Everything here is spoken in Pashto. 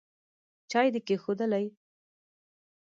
چای دي کښېښوولې ؟